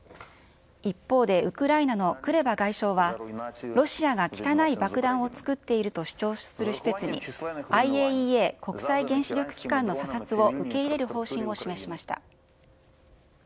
一方でウクライナのクレバ外相は、ロシアが汚い爆弾を作っていると主張する施設にＩＡＥＡ・国際原子力機関の査察を受け入れる方針を示しました。